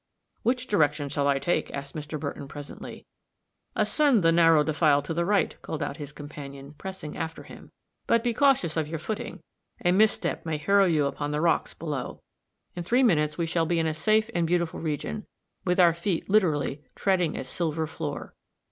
"Which direction shall I take?" asked Mr. Burton, presently. "Ascend the narrow defile to the right," called out his companion, pressing after him, "but be cautious of your footing. A misstep may hurl you upon the rocks below. In three minutes we shall be in a safe and beautiful region, with our feet, literally, treading a silver floor."